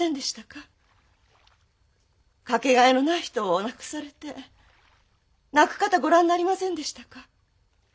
かけがえのない人を亡くされて泣く方ご覧になりませんでしたか？